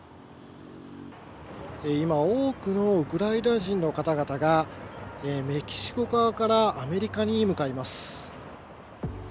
今、多くのウクライナ人の方々が、メキシコ側からアメリカに向かいます。